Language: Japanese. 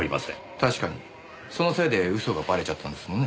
確かにそのせいで嘘がバレちゃったんですもんね。